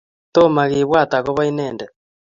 tomaa kibwat akobo inendet